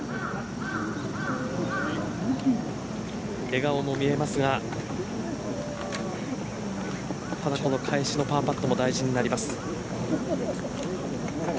笑顔も見えますがただ、この返しのパーパットも大事になります。